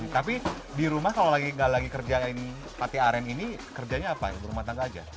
tapi di rumah kalau gak lagi kerja pate aren ini kerjanya apa ibu rumah tangga aja